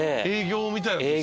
営業みたいな。